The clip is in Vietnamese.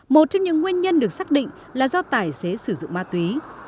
một trong những nguyên nhân được xác định là do tài xế sử dụng ma túy